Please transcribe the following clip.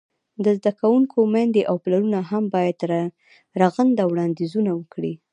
د زده کوونکو میندې او پلرونه هم باید رغنده وړاندیزونه وکړي.